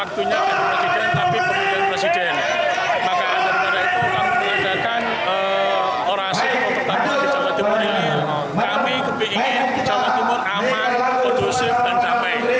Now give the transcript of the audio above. kami ingin jawa timur aman kondusif dan damai